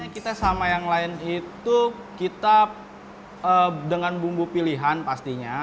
kita sama yang lain itu kita dengan bumbu pilihan pastinya